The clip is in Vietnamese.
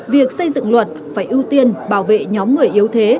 việc xây dựng luật phải ưu tiên bảo vệ nhóm người yếu thế